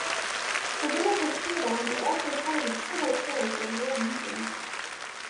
The village of Fordon is also part of the civil parish of Wold Newton.